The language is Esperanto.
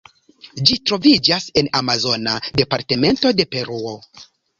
Ĝi troviĝas en amazona departemento de Peruo.